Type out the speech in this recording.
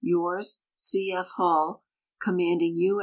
Yours, C. F. Hai.t., Commanding U.